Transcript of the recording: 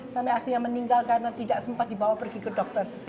sampai akhirnya meninggal karena tidak sempat dibawa pergi ke dokter